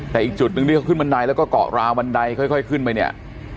แต่อีกจุดหนึ่งที่เขาขึ้นบันไดแล้วก็เกาะราวบันไดค่อยขึ้นไปเนี่ย